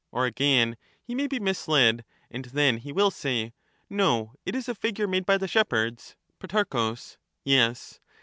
Or again, he may be misled, and then he will say —' No, it is a figure made by the shepherds.' Pro. Yes.